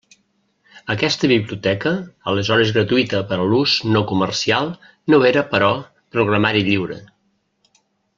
Aquesta biblioteca, aleshores gratuïta per a l'ús no comercial, no era, però, programari lliure.